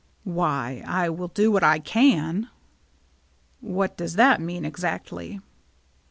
" Why, I will do what I can." " What does that mean exactly